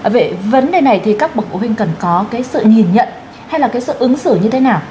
vậy vấn đề này thì các bậc phụ huynh cần có cái sự nhìn nhận hay là cái sự ứng xử như thế nào